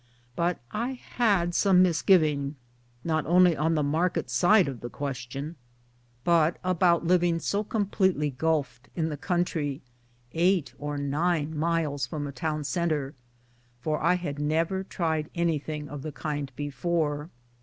But I had some misgiving, not only about the market side of the question, but H2 MY DAYS AND DREAMS about living so completely gulfed in the country . eight or nine miles from a town centre for I had never tried anything of the kind before.